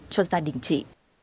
cho gia đình chị